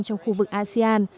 trong khu vực asean